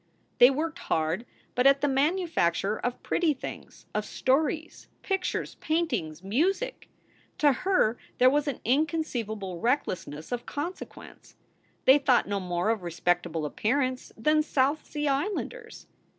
They worked hard, but at the manufacture of pretty things, of stories, pictures, paintings, music. To her there was an inconceivable recklessness of consequence. They thought no more of respectable appearance than South Sea Islanders.